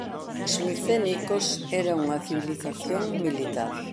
Os micénicos eran unha civilización militar.